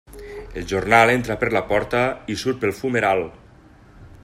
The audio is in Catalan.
El jornal entra per la porta i surt pel fumeral.